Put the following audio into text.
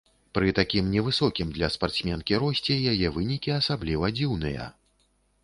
Пры такім невысокім для спартсменкі росце яе вынікі асабліва дзіўныя.